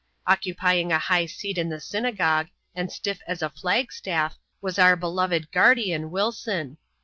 Occupying a hijgh seat in the synagogue, and stiff as a fiag staff, was our bd6ved ^ardian, Wilson.